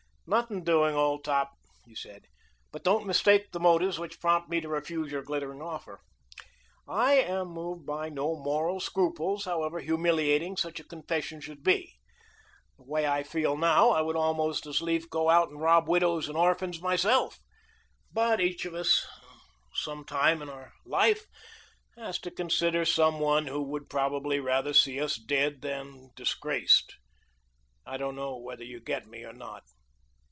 "Nothing doing, old top," he said. "But don't mistake the motives which prompt me to refuse your glittering offer. I am moved by no moral scruples, however humiliating such a confession should be. The way I feel now I would almost as lief go out and rob widows and orphans myself, but each of us, some time in our life, has to consider some one who would probably rather see us dead than disgraced. I don't know whether you get me or not."